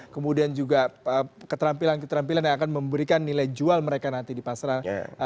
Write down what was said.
kemudian juga keterampilan keterampilan yang akan memberikan nilai jual mereka nanti di pasaran